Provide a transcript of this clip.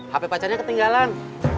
hape pacarnya ketinggalan